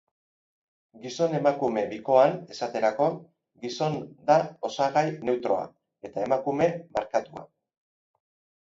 Gizon-emakume bikoan, esaterako, gizon da osagai neutroa, eta emakume markatua.